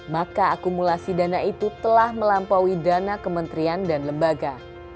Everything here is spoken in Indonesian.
maka akumulasi dana itu telah melampaui dana kementerian dan lembaga